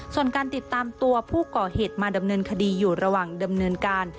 ส่วนการติดตามตัวผู้ก่อเหตุมาดำเนินคดีอยู่ระหว่างดำเนินการ